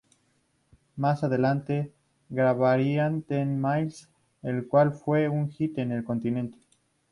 Más adelante grabarían "Ten Miles", el cual fue un hit en el continente.